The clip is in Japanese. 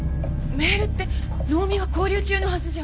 メールって能見は勾留中のはずじゃ？